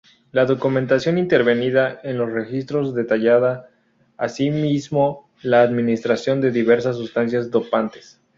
La documentación intervenida en los registros detallaba asimismo la administración de diversas sustancias dopantes.